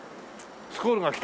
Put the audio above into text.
スコールがきた。